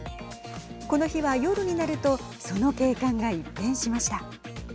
この日は夜になるとその景観が一変しました。